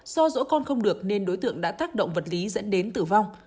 do rỗ con không được nên đối tượng đã tác động vật lý dẫn đến tử vong